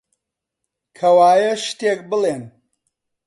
کەوایە، شتێک بڵێن!